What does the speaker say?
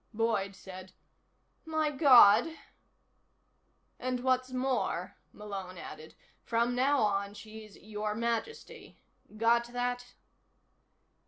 Boyd said: "My God." "And what's more," Malone added, "from now on she's 'Your Majesty.' Got that?"